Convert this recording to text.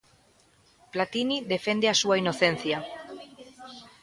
Platini defende a súa inocencia.